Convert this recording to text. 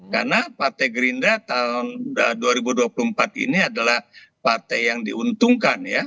karena partai gerindra tahun dua ribu dua puluh empat ini adalah partai yang diuntungkan ya